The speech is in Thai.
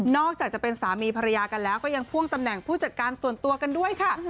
อกจากจะเป็นสามีภรรยากันแล้วก็ยังพ่วงตำแหน่งผู้จัดการส่วนตัวกันด้วยค่ะ